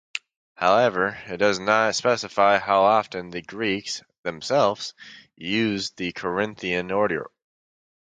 However, it does not specify how often the Greeks themselves used the Corinthian order.